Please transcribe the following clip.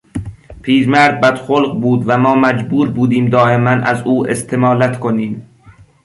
پیرمرد بدخلق بود و ما مجبور بودیم دائما از او استمالت کنیم.